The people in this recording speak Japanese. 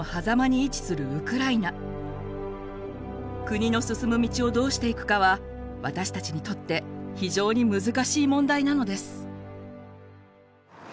国の進む道をどうしていくかは私たちにとって非常に難しい問題なのです。